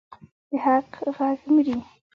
د حق غږ مري؟